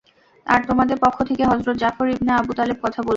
আর তোমাদের পক্ষ থেকে হযরত জাফর ইবনে আবু তালেব কথা বলবে।